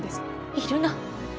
いるな？え？